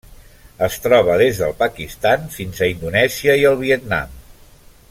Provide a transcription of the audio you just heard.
Es troba des del Pakistan fins a Indonèsia i el Vietnam.